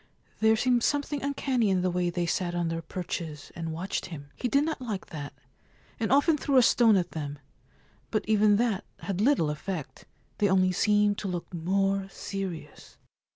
There seemed something uncanny in the way they sat on their perches and watched him. He did not like that, and often threw a stone at them ; but even that had little effect — they only seemed to look more serious.